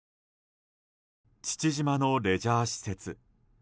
父島のレジャー施設。